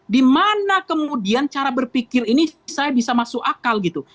dimana kemudian cara berpikir ini saya bisa masuk akal gitu